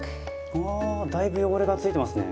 うわだいぶ汚れがついてますね。